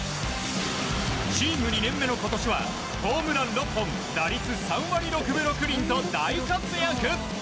チーム２年目の今年はホームラン６本打率３割６分６厘と大活躍。